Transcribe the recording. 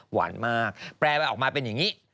หวานมากแปลมันออกมาเป็นอย่างนี้